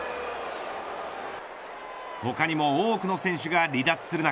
他にも多くの選手が離脱する中